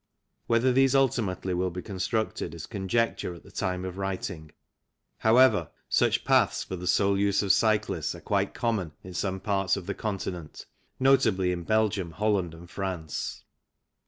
Whether these ultimately will be constructed is conjecture at the time of writing, however, such paths for the sole use of cyclists are quite common in some parts of the Continent, notably in Belgium, Holland, and France.